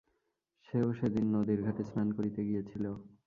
সে-ও সেদিন নদীর ঘাটে স্নান করিতে গিয়েছিল।